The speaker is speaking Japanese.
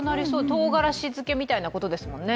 とうがらし漬けみたいなことですもんね。